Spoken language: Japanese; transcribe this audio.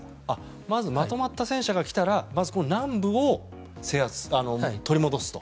まずまとまった戦車が来たら南部を取り戻すと。